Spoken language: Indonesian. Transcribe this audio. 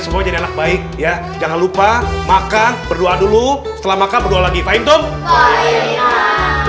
semua jadi anak baik ya jangan lupa makan berdoa dulu setelah makan berdoa lagi fine tuh